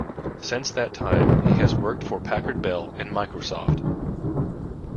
Since that time he has worked for Packard Bell and Microsoft.